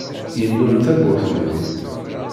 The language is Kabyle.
Yennul tawwurt-nni.